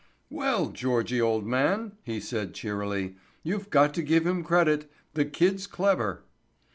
"Well, Georgie old man," he remarked cheerily. "You've got to give him credit. The kid's clever."